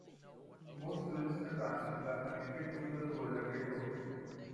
Most tourist attractions are connected to The Golden Detour.